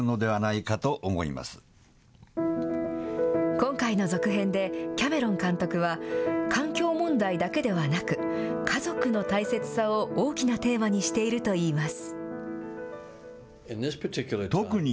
今回の続編で、キャメロン監督は、環境問題だけではなく、家族の大切さを大きなテーマにしているといいます。